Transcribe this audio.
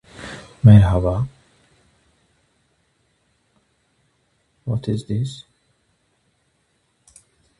The Colorado State Parks system integrates outdoor recreation with tourism.